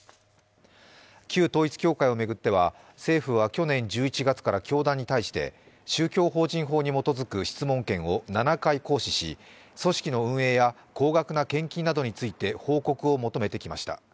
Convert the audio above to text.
旧統一教会を巡っては政府は去年１１月から教団に対して宗教法人法に基づく質問権を７回行使し組織の運営や高額な献金などについて報告を求めてきました。